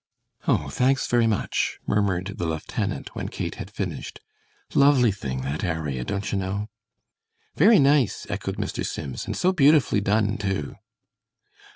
"Oh, thanks, very much," murmured the lieutenant, when Kate had finished. "Lovely thing that aria, don't you know?" "Very nice," echoed Mr. Sims, "and so beautifully done, too."